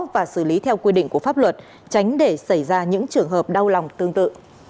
và xử lý theo quy định của pháp luật tránh để xảy ra những trường hợp đau lòng tương tự